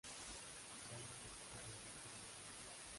Zona araucana.